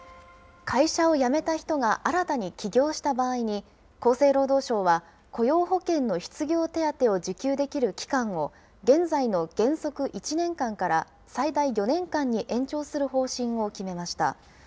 会社を辞めた人が新たに起業した場合に、厚生労働省は雇用保険の失業手当を受給できる期間を、現在の原則１年間から最大４年間に延長する方針を決めました。